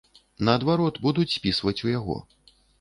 Наадварот, будуць спісваць у яго.